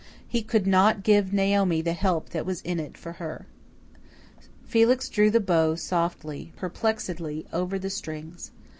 He could not give Naomi the help that was in it for her. Felix drew the bow softly, perplexedly over the strings.